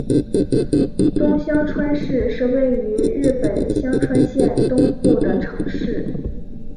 东香川市是位于日本香川县东部的城市。